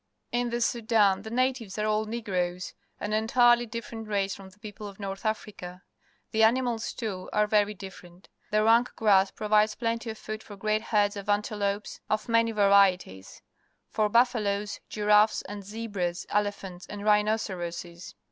In the Sudan the natives are all Negroes, an entirely different race from the people of North Africa. The animals, too, are very A Caravan crossing the Sahara Desert, Africa different. The rank grass pro\ides plenty of food for great herds of antelopes of many varieties, for buffaloes, giraffes, zebras, ele phants, and rhinoceroses.